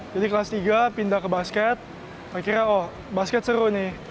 jadi kelas tiga pindah ke basket akhirnya oh basket seru nih